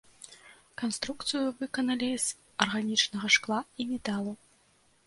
Канструкцыю выканалі з арганічнага шкла і металу.